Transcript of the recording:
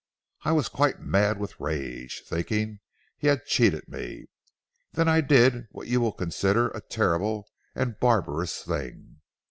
I was quite mad with rage, thinking he had cheated me. Then I did what you will consider a terrible and a barbarous thing.